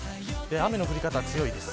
雨の降り方が強いです。